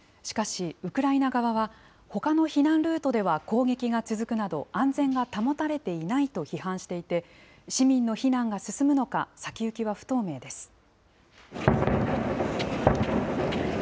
しかし、ウクライナ側は、ほかの避難ルートでは攻撃が続くなど、安全が保たれていないと批判していて、市民の避難が進むのか、先行きは不透明です。